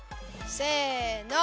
せの。